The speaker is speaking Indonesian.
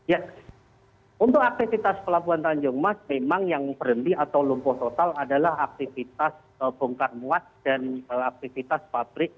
ya untuk aktivitas pelabuhan tanjung mas memang yang berhenti atau lumpuh total adalah aktivitas bongkar muat dan aktivitas pabrik